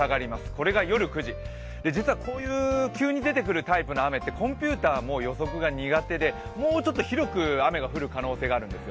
これが夜９時、こういう急に出てくるタイプはコンピューターも予測が苦手でもうちょっと広く雨が降る可能性があるんです。